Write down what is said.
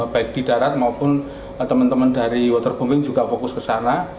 baik di darat maupun teman teman dari waterbombing juga fokus ke sana